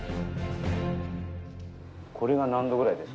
これが何度ぐらいですか。